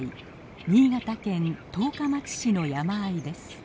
新潟県十日町市の山あいです。